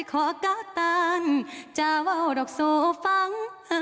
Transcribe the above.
หมอลำใช่ไหมคะมันก็จะประมาณ